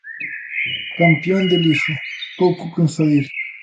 Campión de Liga: Pouco que engadir.